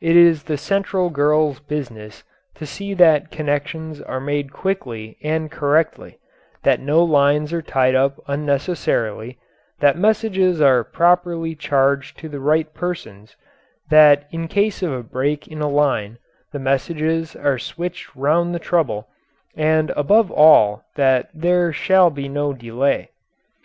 It is the central girls' business to see that connections are made quickly and correctly, that no lines are tied up unnecessarily, that messages are properly charged to the right persons, that in case of a break in a line the messages are switched round the trouble, and above all that there shall be no delay.